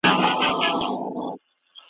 چي تر خوله یې د تلک خوږې دانې سوې .